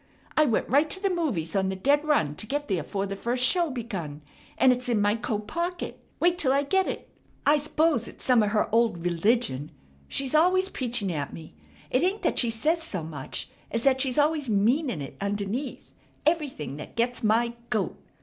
I went right to the movies on the dead run to get there 'fore the first show begun, and it's in my coat pocket. Wait 'till I get it. I spose it's some of her old religion! She's always preaching at me. It ain't that she says so much as that she's always meanin' it underneath, everything, that gets my goat!